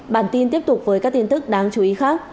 bản tin tiếp tục với các tin tức đáng chú ý khác